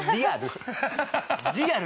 リアル。